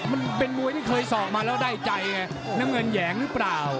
มันเป็นมวยที่เคยสอกมาแล้วได้ใจไงน้ำเงินแหยงหรือเปล่า